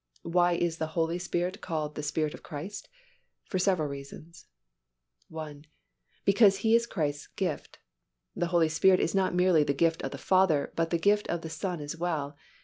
Why is the Holy Spirit called the Spirit of Christ? For several reasons: (1) Because He is Christ's gift. The Holy Spirit is not merely the gift of the Father, but the gift of the Son as well.